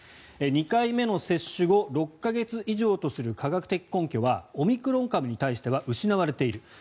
２回目の接種後６か月以上とする科学的根拠はオミクロン株に対しては失われている。